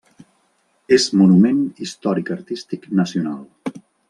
És Monument Històric-Artístic Nacional.